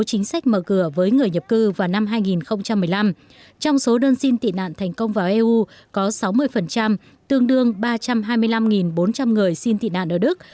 chính sách mở cửa với người nhập cư vào năm hai nghìn một mươi năm trong số đơn xin tị nạn thành công vào eu có sáu mươi tương đương ba trăm hai mươi năm bốn trăm linh người xin tị nạn ở đức